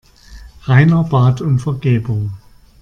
Rainer bat um Vergebung.